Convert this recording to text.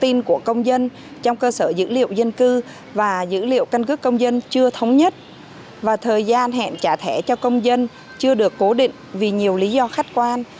thông tin của công dân trong cơ sở dữ liệu dân cư và dữ liệu căn cước công dân chưa thống nhất và thời gian hẹn trả thẻ cho công dân chưa được cố định vì nhiều lý do khách quan